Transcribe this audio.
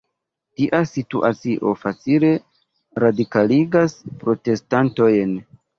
Tia situacio facile radikaligas protestantojn.